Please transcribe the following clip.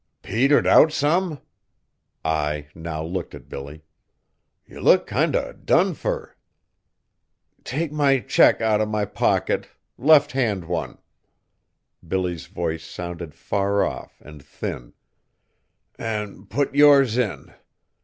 "Petered out some?" Ai now looked at Billy. "Ye look kind o' done fur." "Take my check out o' my pocket, left hand one," Billy's voice sounded far off and thin, "an' put yours in.